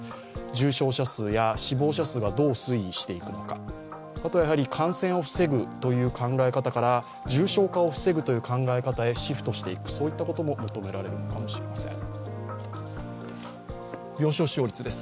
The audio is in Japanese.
重症者数や死亡者数がどう推移していくのか感染を防ぐという考え方から重症化を防ぐという考え方へシフトしていくそういったことも求められるのかもしれません。